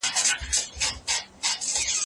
ایا د شکرې ناروغانو لپاره د مېوو کنټرول مهم دی؟